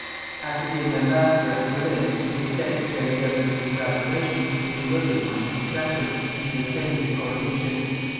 After being ambassador at Berlin he was sent to bear the emperor's congratulations to King William on his accession, and to attend his coronation.